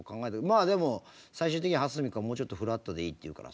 まあでも最終的には蓮見君はもうちょっとフラットでいいって言うから。